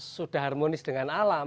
sudah harmonis dengan alam